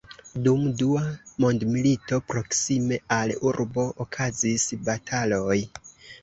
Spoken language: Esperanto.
Dum Dua mondmilito proksime al urbo okazis bataloj.